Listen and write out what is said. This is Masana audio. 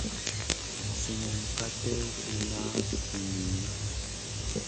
Sumun ka tèw kuna zi niyna.